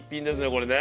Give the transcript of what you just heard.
これね。